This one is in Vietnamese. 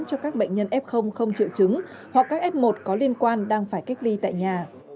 cho các bệnh nhân f không triệu chứng hoặc các f một có liên quan đang phải cách ly tại nhà